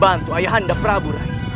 bantu ayahanda prabu rai